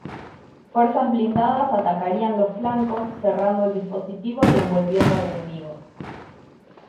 Fuerzas blindadas atacarían los flancos cerrando el dispositivo y envolviendo al enemigo.